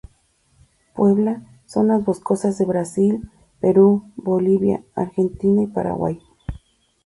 Puebla zonas boscosas de Brasil, Perú, Bolivia, Argentina y Paraguay.